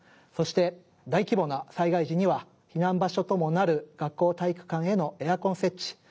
そして大規模な災害時には避難場所ともなる学校体育館へのエアコン設置。